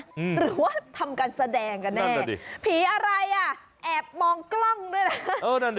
หรือทำการแสดงเนี่ยผีอะไรอะแอบมองคล่องด้วยนะ